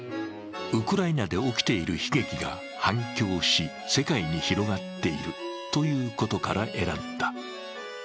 ウクライナで起きている悲劇が反響し、世界に広がっているということから選んだ。